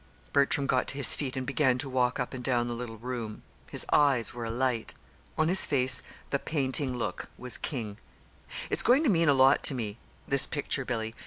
Bertram got to his feet and began to walk up and down the little room. His eyes were alight. On his face the "painting look" was king. "It's going to mean a lot to me this picture, Billy.